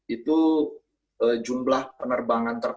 itu jumlah penerbangan terakhir